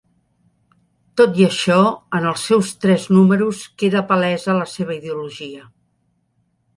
Tot i això, en els seus tres números queda palesa la seva ideologia.